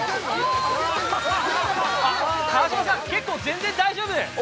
川島さん、結構全然大丈夫！